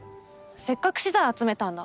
せっかく資材集めたんだ。